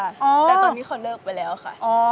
แต่ตอนนี้เขาเลิกไปแล้วค่ะ